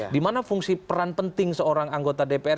dimana fungsi peran penting seorang anggota dpr ini menjadi